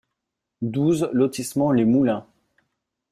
douze lotissement Les Moulins